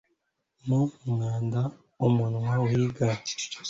mu mwanda, umunwa wiga